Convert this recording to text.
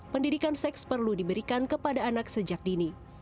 pendidikan seks perlu diberikan kepada anak sejak dini